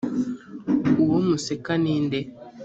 uwo museka ni nde?